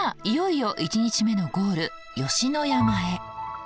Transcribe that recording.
いよいよ１日目のゴール吉野山へ。